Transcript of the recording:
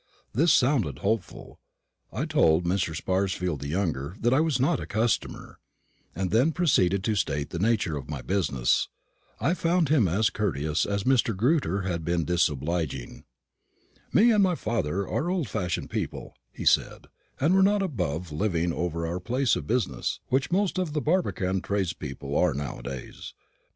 This sounded hopeful. I told Mr. Sparsfield the younger that I was not a customer, and then proceeded to state the nature of my business. I found him as courteous as Mr. Grewter had been disobliging. "Me and father are old fashioned people," he said; "and we're not above living over our place of business, which most of the Barbican tradespeople are nowadays.